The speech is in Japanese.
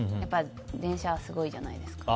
電車はすごいいいじゃないですか。